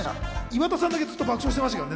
岩田さんだけずっと爆笑してましたけど。